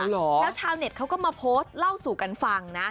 แล้วชาวเน็ตเขาก็มาโพสต์เล่าสู่กันฟังนะ